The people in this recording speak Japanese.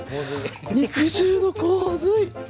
肉汁の洪水！